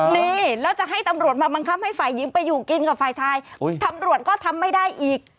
นี่แล้วจะให้ตำรวจมาบังคับให้ฝ่ายหญิงไปอยู่กินกับฝ่ายชายตำรวจก็ทำไม่ได้อีก